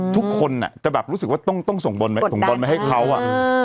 ทุกคนอ่ะจะแบบรู้สึกว่าต้องส่งบนมาให้เขาอ่ะ